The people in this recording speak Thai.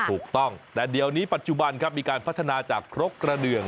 ถูกต้องแต่เดี๋ยวนี้ปัจจุบันครับมีการพัฒนาจากครกกระเดือง